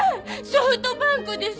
ソフトバンクですよ！